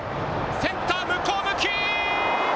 センター向こう向き！